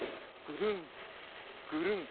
グルングルン。